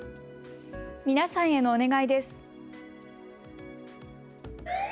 皆さんへのお願いです。